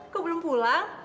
kok belum pulang